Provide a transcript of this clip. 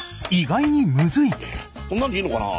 こんなんでいいのかな？